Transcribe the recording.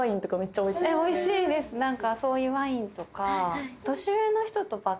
おいしいですなんかそういうワインとかははははっ